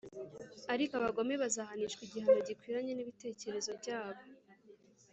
Ariko abagome bazahanishwa igihano gikwiranye n’ibitekerezo byabo,